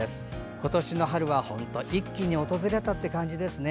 今年の春は本当に一気に訪れたって感じですね。